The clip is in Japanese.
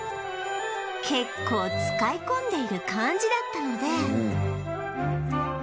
結構使い込んでいる感じだったので